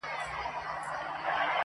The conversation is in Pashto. o هولکي د وارخطا ورور دئ!